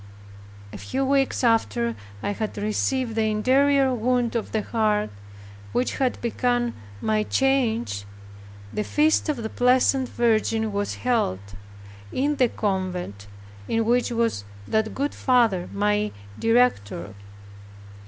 A few weeks after I had received that interior wound of the heart, which had begun my change, the feast of the Blessed Virgin was held, in the convent in which was that good father my director.